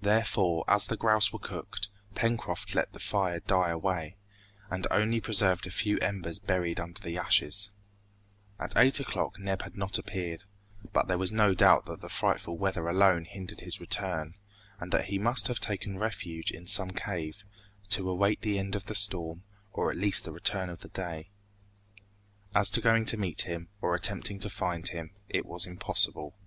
Therefore, as the grouse were cooked, Pencroft let the fire die away, and only preserved a few embers buried under the ashes. At eight o'clock Neb had not appeared, but there was no doubt that the frightful weather alone hindered his return, and that he must have taken refuge in some cave, to await the end of the storm or at least the return of day. As to going to meet him, or attempting to find him, it was impossible.